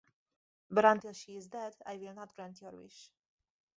But until she is dead I will not grant your wish.